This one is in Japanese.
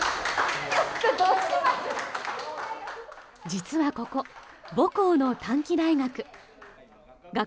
実はここ、母校の短期大学。